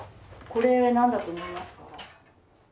これなんだと思いますか？